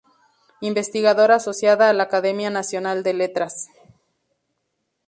Investigadora Asociada a la Academia Nacional de Letras.